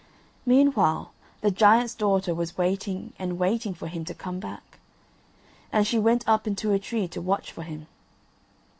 Meanwhile the giant's daughter was waiting and waiting for him to come back. And she went up into a tree to watch for him.